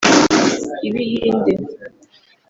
ibihinde